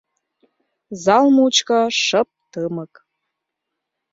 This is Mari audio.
Зал мучко шып-тымык.